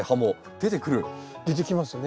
出てきますね。